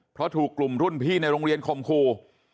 เพราะถูกกลุ่มรุ่นพี่ในโรงเรียนคมครู